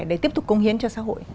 để tiếp tục công hiến cho xã hội